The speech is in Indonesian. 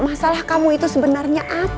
masalah kamu itu sebenarnya apa